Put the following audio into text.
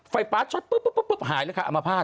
ไฟฟ้าช็อตปุ๊บหายเลยค่ะอมภาษ